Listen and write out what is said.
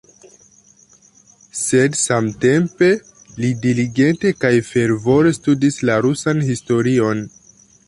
Sed samtempe li diligente kaj fervore studis la rusan historion.